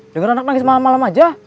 dengar anak nangis malem malem aja